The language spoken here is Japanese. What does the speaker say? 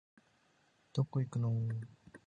どこ行くのお